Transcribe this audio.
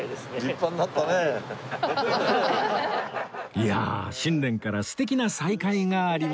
いやあ新年から素敵な再会がありました